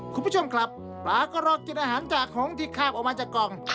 คุณผู้ชมครับปลาก็รอกินอาหารจากหงที่คาบออกมาจากกล่อง